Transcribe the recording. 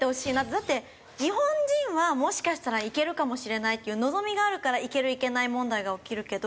だって日本人はもしかしたら行けるかもしれないっていう望みがあるから行ける行けない問題が起きるけど。